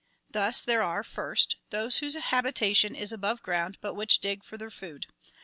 Thus there are, first, those whose habitation is above ground but which dig for their food.